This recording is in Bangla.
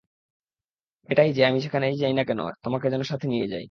এটাই যে, আমি যেখানেই যাই না কেন, তোমাকে যেন সাথে নিয়ে যাই।